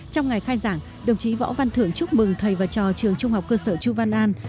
trong ngày khai giảng đồng chí võ văn thưởng chúc mừng thầy và trò trường trung học cơ sở chu văn an